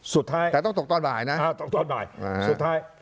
สุดท้ายแต่ต้องตกตอนบ่ายนะตกตอนบ่ายสุดท้าย